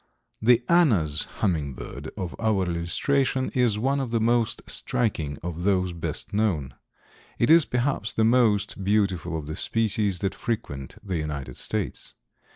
The Anna's Hummingbird of our illustration is one of the most striking of those best known. It is perhaps the most beautiful of the species that frequent the United States.